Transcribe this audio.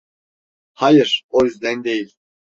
Hayır, o yüzden değil.